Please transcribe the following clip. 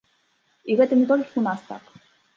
І гэта не толькі ў нас так.